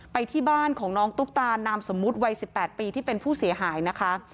ไปที่บ้านของน้องตุ๊กตานามสมมุติวัย๑๘ปีที่เป็นผู้เสียหายนะคะ